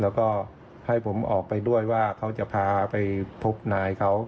แล้วก็ให้ผมออกไปด้วยว่าเขาจะพาไปพบนายเขา